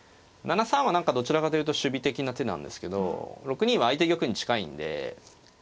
７三は何かどちらかというと守備的な手なんですけど６二は相手玉に近いんで。